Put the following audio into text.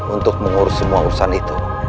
untuk mengurus semua urusan itu